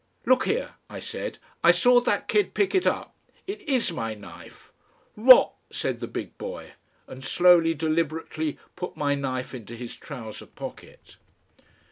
"Look here!" I said. "I saw that kid pick it up. It IS my knife." "Rot!" said the big boy, and slowly, deliberately put my knife into his trouser pocket.